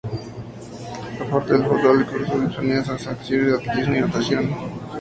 A parte del fútbol, el club disponía de secciones en atletismo y natación.